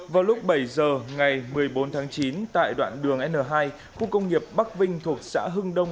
vào lúc bảy giờ ngày một mươi bốn tháng chín tại đoạn đường n hai khu công nghiệp bắc vinh thuộc xã hưng đông